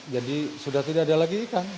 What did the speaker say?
jadi sudah tidak ada lagi ikan